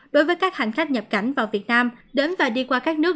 đối với các hành khách nhập cảnh vào việt nam đến và đi qua các nước